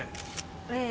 ええ。